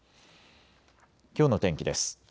きょうの天気です。